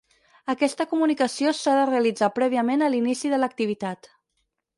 Aquesta comunicació s'ha de realitzar prèviament a l'inici de l'activitat.